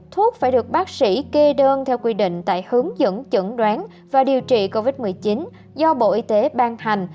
thuốc phải được bác sĩ kê đơn theo quy định tại hướng dẫn chẩn đoán và điều trị covid một mươi chín do bộ y tế ban hành